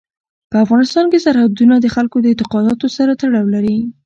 په افغانستان کې سرحدونه د خلکو د اعتقاداتو سره تړاو لري.